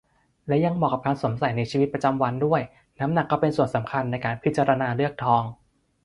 และยังเหมาะกับการสวมใส่ในชีวิตประจำวันด้วย น้ำหนักก็เป็นส่วนสำคัญในการพิจารณาเลือกทอง